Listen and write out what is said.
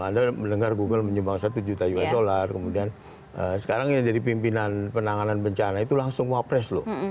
anda mendengar google menyumbang satu juta usd kemudian sekarang yang jadi pimpinan penanganan bencana itu langsung wapres loh